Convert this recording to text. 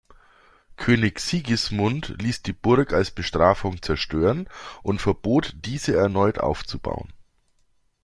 König Sigismund ließ die Burg als Bestrafung zerstören und verbot, diese erneut aufzubauen.